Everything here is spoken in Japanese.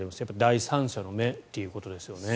第三者の目ということですよね。